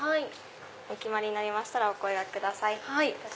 お決まりになりましたらお声がけください。